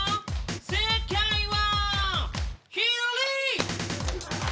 正解は左！